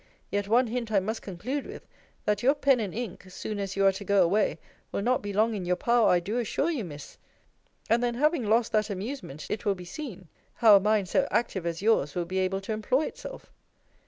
Yet one hint I must conclude with; that your pen and ink (soon as you are to go away) will not be long in your power, I do assure you, Miss. And then, having lost that amusement, it will be seen, how a mind so active as yours will be able to employ itself.